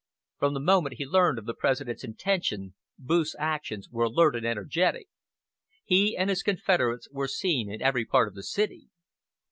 From the moment he learned of the President's intention Booth's actions were alert and energetic. He and his confederates were seen in every part of the city.